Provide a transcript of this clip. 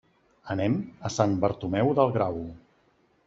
Anem a Sant Bartomeu del Grau.